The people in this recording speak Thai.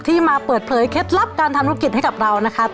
มาเปิดเผยเคล็ดลับการทำธุรกิจให้กับเรานะครับ